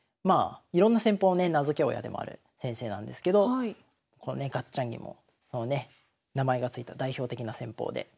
いろんな戦法をね名付け親でもある先生なんですけどこのねガッチャン銀もそのね名前が付いた代表的な戦法で。